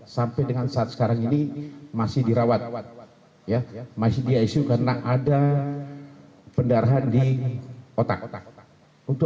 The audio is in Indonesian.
sampai dengan saat sekarang ini saya tidak bisa mencari penyakit